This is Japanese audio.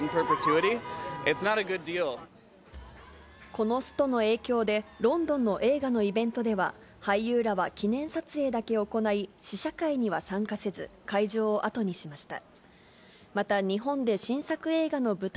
このストの影響で、ロンドンの映画のイベントでは、俳優らは記念撮影だけ行い、試写会には参加せず、会場を後にしました。